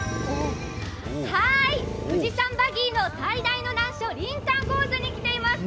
富士山バギーの最大の難所、林間コースに来ています。